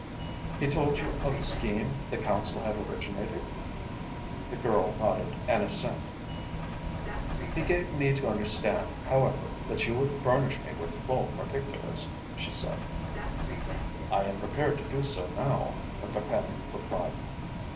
He told you of the scheme the Council had originated?" The girl nodded an assent. "He gave me to understand, however, that you would furnish me with full particulars," she said. "I am prepared to do so now," her companion replied.